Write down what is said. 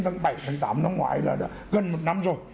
tháng bảy tháng tám tháng ngoái là gần một năm rồi